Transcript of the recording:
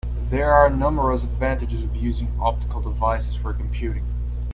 There are numerous advantages of using optical devices for computing.